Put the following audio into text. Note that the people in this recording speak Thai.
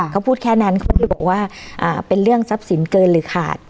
เขาพูดแค่นั้นเขาบอกว่าเป็นเรื่องทรัพย์สินเกินหรือขาด